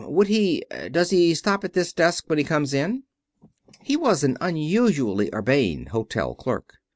Would he does he stop at this desk when he comes in?" He was an unusually urbane hotel clerk.